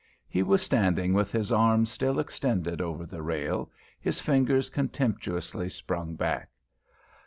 He was standing with his arm still extended over the rail, his fingers contemptuously sprung back.